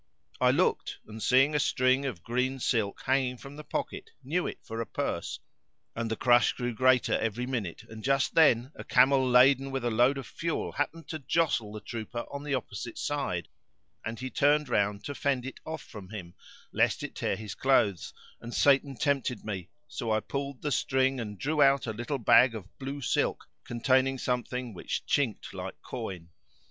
I looked and seeing a string of green silk hanging from the pocket knew it for a purse; and the crush grew greater every minute and just then, a camel laden with a load of fuel happened to jostle the trooper on the opposite side, and he turned round to fend it off from him, lest it tear his clothes; and Satan tempted me, so I pulled the string and drew out a little bag of blue silk, containing something which chinked like coin.